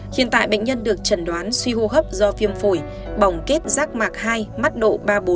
hiện tại bệnh nhân được trần đoán suy hô hấp do viêm phổi bỏng kết rác mạc hai mắt độ ba bốn